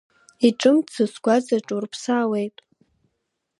Иҿымҭӡо сгәаҵа ҿурԥсаауеит…